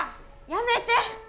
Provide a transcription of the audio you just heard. やめて！